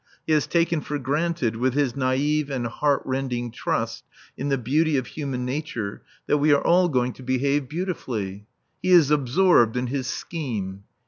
He has taken for granted, with his naïve and heart rending trust in the beauty of human nature, that we are all going to behave beautifully. He is absorbed in his scheme.